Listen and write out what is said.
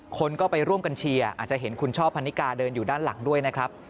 คนก็ไปร่วมกันเชียร์อาจจะเห็นคุณช่อพันนิกาเดินอยู่ด้านหลังด้วยนะครับ